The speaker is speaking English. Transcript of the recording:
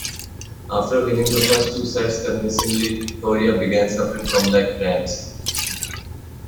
After winning the first two sets convincingly, Coria began suffering from leg cramps.